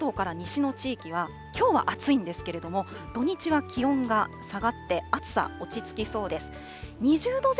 関東から西の地域は、きょうは暑いんですけれども、土日は気温が下がって、暑さ、落ち着きそうです。